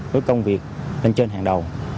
đối công việc lên trên hàng đầu